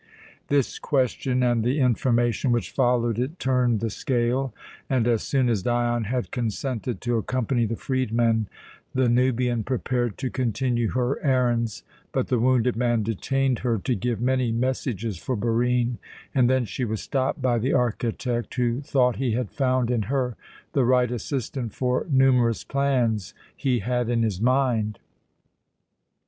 This question and the information which followed it turned the scale; and, as soon as Dion had consented to accompany the freedman, the Nubian prepared to continue her errands, but the wounded man detained her to give many messages for Barine, and then she was stopped by the architect, who thought he had found in her the right assistant for numerous plans he had in his mind.